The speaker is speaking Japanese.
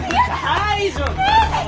大丈夫！